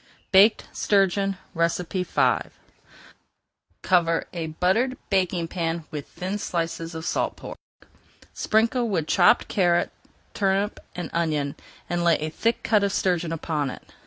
BAKED STURGEON V Cover a buttered baking pan with thin slices of salt pork. Sprinkle with chopped carrot, turnip, and onion, and lay a thick cut of sturgeon upon it.